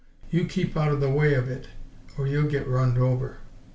You keep out the way of it, or you'll git runned over!"